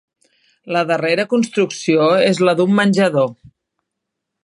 La darrera construcció és la d'un menjador.